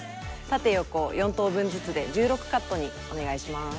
縦横４等分ずつで１６カットにお願いします。